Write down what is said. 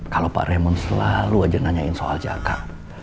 kalau pak raymond selalu aja nanyain soal jaka